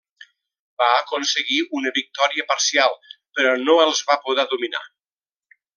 Va aconseguir una victòria parcial, però no els va poder dominar.